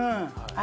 あ